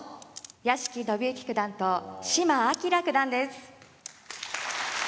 屋敷伸之九段と島朗九段です。